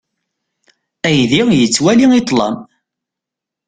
Aydi yettwali i ṭṭlam.